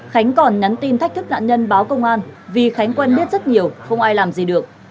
khánh còn nhắn tin thách thức nạn nhân báo công an vì khánh quen biết rất nhiều không ai làm gì được